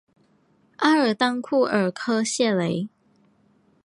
阿尔当库尔科谢雷。